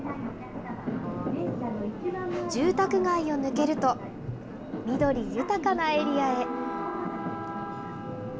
住宅街を抜けると、緑豊かなエリアへ。